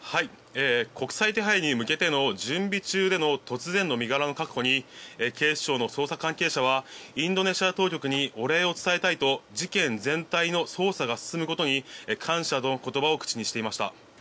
国際手配に向けての準備中での突然の身柄の確保に警視庁の捜査関係者はインドネシア当局にお礼を伝えたいと事件全体の捜査が進むことに感謝の言葉を口にしていました。